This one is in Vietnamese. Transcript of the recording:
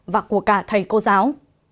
và của cả thầy cô giáo